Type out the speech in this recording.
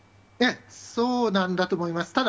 そうなんだと思います。